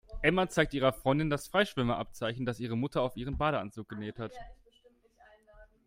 Emma zeigt ihrer Freundin das Freischwimmer-Abzeichen, das ihre Mutter auf ihren Badeanzug genäht hat.